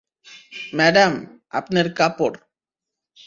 Madam, আপনের কাপড়।